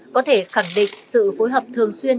có thể khẳng định sự phối hợp thường xuyên